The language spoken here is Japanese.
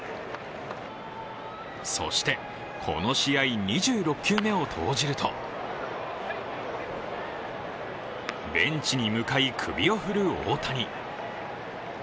そして、この試合、２６球目を投じるとベンチに向かい、首を振る大谷。